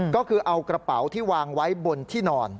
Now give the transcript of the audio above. ก็คือเอากระเป๋าที่วางไว้บนที่นอน